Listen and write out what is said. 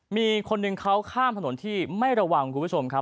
มีคนหนึ่งเขาข้ามถนนที่ไม่ระวังคุณผู้ชมครับ